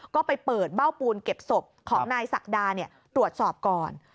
ก็ไปเปิดเบ้าปูนเก็บศพของนายศักดาตรวจสอบก่อน